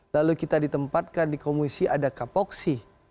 lalu kita ditempatkan di komisi ada kapoksi